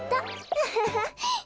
アハハ！